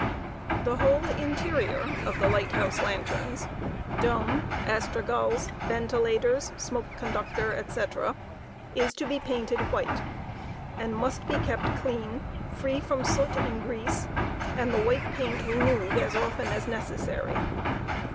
The whole interior of the light house lanterns (dome, astragals, ventilators, smoke conductor, &c), is to be painted white, and must be kept clean, free from soot and grease, and the white paint renewed as often as necessary.